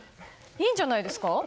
いいんじゃないですか？